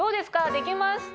できました？